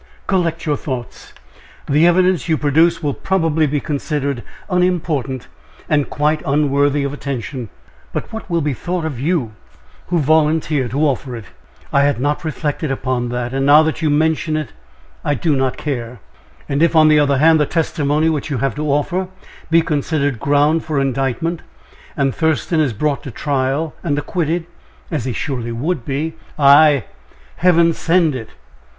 collect your thoughts the evidence you produce will probably be considered unimportant and quite unworthy of attention; but what will be thought of you who volunteer to offer it?" "I had not reflected upon that and now you mention it, I do not care." "And if, on the other hand, the testimony which you have to offer be considered ground for indictment, and Thurston is brought to trial, and acquitted, as he surely would be " "Ay! Heaven send it!"